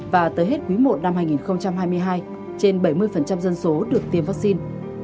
và tới hết quý mộ năm hai nghìn hai mươi hai trên bảy mươi dân số được tiêm vắc xin